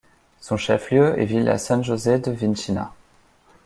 Son chef-lieu est Villa San José de Vinchina.